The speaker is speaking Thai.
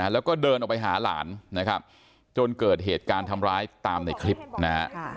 แล้วก็เดินออกไปหาหลานนะครับจนเกิดเหตุการณ์ทำร้ายตามในคลิปนะฮะ